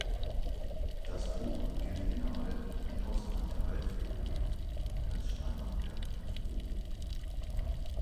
Das Buch gilt innerhalb wie außerhalb der Altphilologie als Standardwerk zu Ovid.